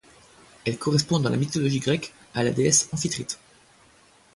Elle correspond dans la mythologie grecque à la déesse Amphitrite.